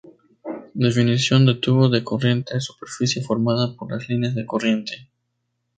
Definición de tubo de corriente: superficie formada por las líneas de corriente.